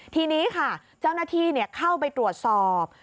ทีนี้ค่ะเจ้าหน้าที่เข้าไปตรวจสอบ